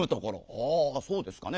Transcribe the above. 「ああそうですかね。